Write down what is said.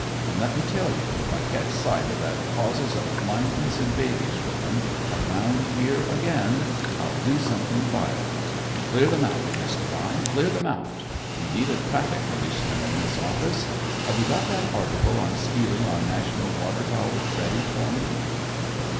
And let me tell you, if I catch sight of that causes of blindness in babies woman around here again, I'll do something violent. Clear them out, Miss Devine! Clear them out! We need a traffic policeman in this office. Have you got that article on 'Stealing Our National Water Power' ready for me?"